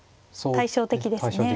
対照的ですね。